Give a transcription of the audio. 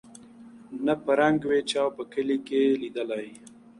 نه په رنګ وې چا په کلي کي لیدلی